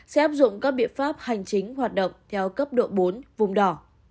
sẽ áp dụng các biện pháp hành chính hoạt động theo cấp độ bốn vùng đỏ